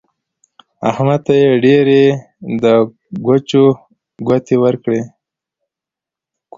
احمد ته يې ډېرې د ګوچو ګوتې ورکړې.